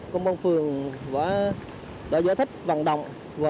công an phường đã giải thích vận động